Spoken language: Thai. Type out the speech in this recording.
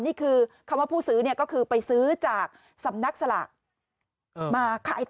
นี่คือคำว่าผู้ซื้อเนี่ยก็คือไปซื้อจากสำนักสลากมาขายต่อ